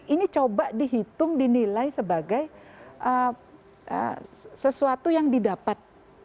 ini coba dihitung dinilai sebagai sesuatu yang didapat